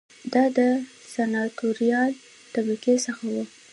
دا د سناتوریال طبقې څخه و